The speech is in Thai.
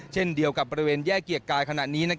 เช่นเดียวกับบริเวณแยกเกียรติกายขณะนี้